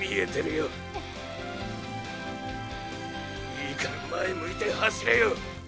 いいから前向いて走れよ。